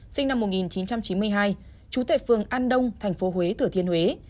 sinh năm một nghìn chín trăm chín mươi hai chú tệ phường an đông tp huế thừa thiên huế